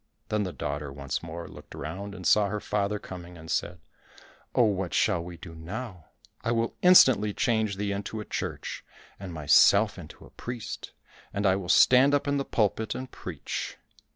Then the daughter once more looked round and saw her father coming, and said, "Oh, what shall we do now? I will instantly change thee into a church and myself into a priest, and I will stand up in the pulpit, and preach."